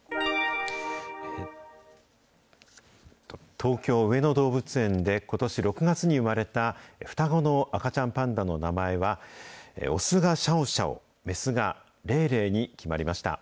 東京・上野動物園でことし６月に産まれた双子の赤ちゃんパンダの名前は、雄がシャオシャオ、雌がレイレイに決まりました。